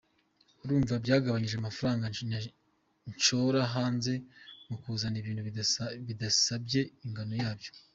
Urumva byagabanyije amafaranga bashora hanze mu kuzana ibintu bidasabye ingano yabyo.